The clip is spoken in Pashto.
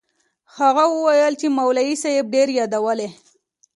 هغه وويل چې مولوي صاحب ډېر يادولې.